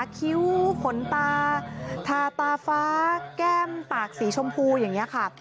คิ้วขนตาทาตาฟ้าแก้มปากสีชมพูอย่างนี้ค่ะ